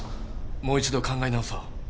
もう一度考え直そう。